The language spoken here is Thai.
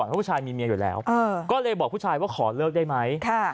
เพราะผู้ชายมีเมียอยู่แล้วก็เลยบอกผู้ชายว่าขอเลิกได้ไหม